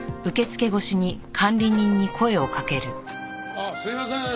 ああすいません。